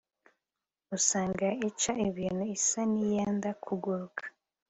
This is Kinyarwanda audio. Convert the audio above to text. usanga ica ibintu isa n'iyenda kuguruka